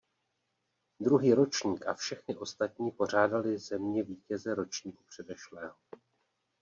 Druhý ročník a všechny ostatní pořádaly země vítěze ročníku předešlého.